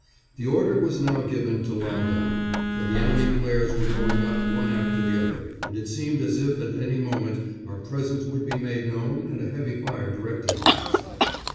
The order was now given to lie down, for the enemy flares were going up one after the other, and it seemed as if at any moment our presence would be made known and a heavy fire directed on us.